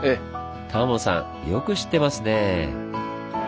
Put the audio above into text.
タモさんよく知ってますね。